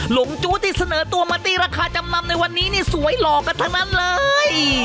หลงจู้ที่เสนอตัวมาตีราคาจำนำในวันนี้นี่สวยหล่อกันทั้งนั้นเลย